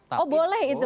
oh boleh itu